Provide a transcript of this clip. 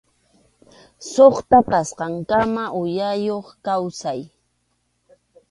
Suqta kasqankama uyayuq kawsay.